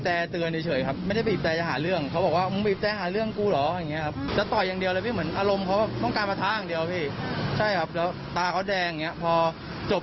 แต่ผมไม่ได้ถ่ายเอาเพราะผมเงินการไม่ได้นอก